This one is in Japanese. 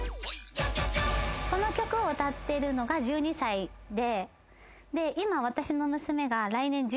この曲を歌ってるのが１２歳で。